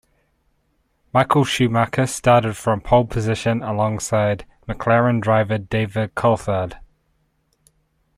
Michael Schumacher started from pole position alongside McLaren driver David Coulthard.